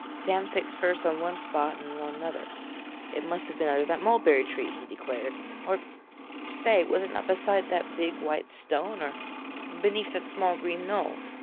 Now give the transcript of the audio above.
Sam fixed first on one spot and then on another it must have been under that mulberry tree, he declared. Or stay, was it not beside that big white stone, or beneath that small green knoll?